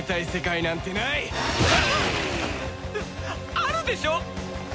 あるでしょ！